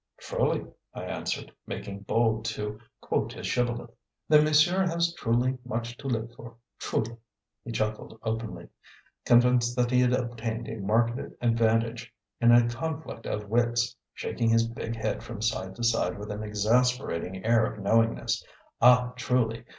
"Truly!" I answered, making bold to quote his shibboleth. "Then monsieur has truly much to live for. Truly!" he chuckled openly, convinced that he had obtained a marked advantage in a conflict of wits, shaking his big head from side to side with an exasperating air of knowingness. "Ah, truly!